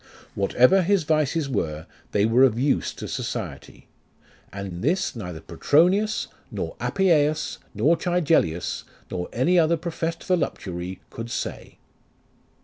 Whatever his vices were, they were of use to society; and this LIFE OF RICHAED NASH. 115 neither Petronius, nor Apioius, nor Tigellius, nor any other professed voluptuary could say.